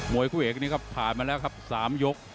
มวยคุ้กเวกนี้ครับผ่านมาแล้วครับ๓ยก